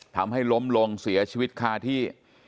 ทำให้ล้มลงเสียชีวิตคาที่